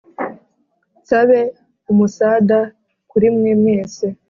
Nsabe umusada kurimwe mwese